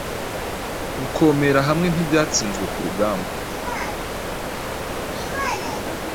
Gukomera hamwe ntibyatsinzwe ku rugamba